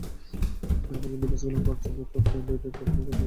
Amazon ডিভাইসগুলি বাজারজাত করতে অ্যান্ড্রয়েড ট্রেডমার্ক ব্যবহার করতে পারে না।